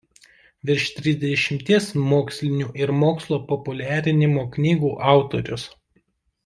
Virš trisdešimties mokslinių ir mokslo populiarinimo knygų autorius.